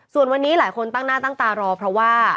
ส่วนวันนี้หลายคนตั้งหน้าตั้งตารอเพราะว่า